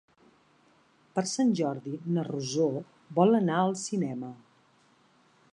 Per Sant Jordi na Rosó vol anar al cinema.